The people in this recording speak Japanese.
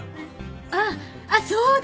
あっあっそうだ